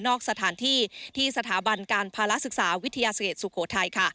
สถานที่ที่สถาบันการภาระศึกษาวิทยาเศษสุโขทัย